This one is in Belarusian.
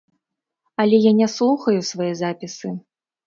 Але я не слухаю свае запісы.